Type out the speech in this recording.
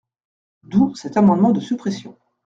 D’où cet amendement de suppression.